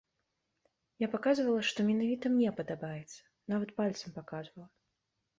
Я паказвала, што менавіта мне падабаецца, нават пальцам паказвала.